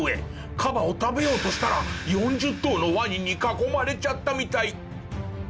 カバを食べようとしたら４０頭のワニに囲まれちゃったみたい。